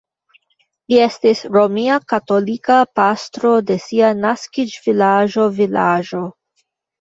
Li estis romia katolika pastro de sia naskiĝvilaĝo vilaĝo.